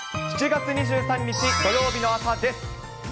７月２３日土曜日の朝です。